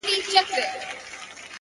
o خوشحال په دې دى چي دا ستا خاوند دی ـ